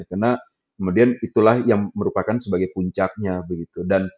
karena kemudian itulah yang merupakan sebagai puncaknya begitu